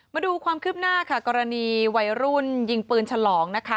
มาดูความคืบหน้าค่ะกรณีวัยรุ่นยิงปืนฉลองนะคะ